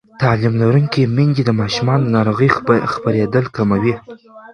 تعلیم لرونکې میندې د ماشومانو د ناروغۍ خپرېدل کموي.